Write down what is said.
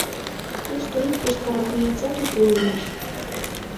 Тушто ик йошкарармеецат уке улмаш.